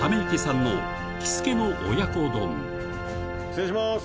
失礼します！